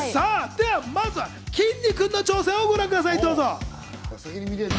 まずは、きんに君の挑戦をご覧ください。